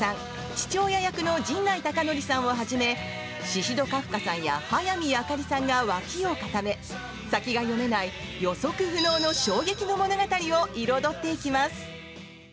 父親役の陣内孝則さんをはじめシシド・カフカさんや早見あかりさんが脇を固め先が読めない、予測不能の衝撃の物語を彩っていきます。